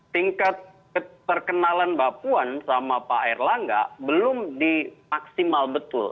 tingkat keterkenalan mbak puan sama pak erlangga belum di maksimal betul